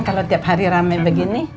kalau tiap hari rame begini